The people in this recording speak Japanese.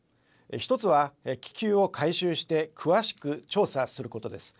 １つは、気球を回収して詳しく調査することです。